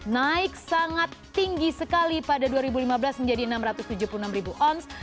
naik sangat tinggi sekali pada dua ribu lima belas menjadi enam ratus tujuh puluh enam ribu ons